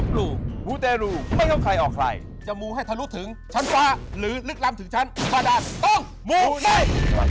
โปรดติดตามตอนต่อไป